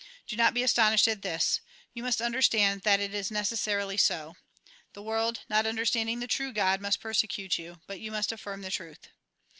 Do not be astonished at this ; you must understand that it is necessarily so. The world, not understanding the true God, must persecute you ; but you must affirm the truth.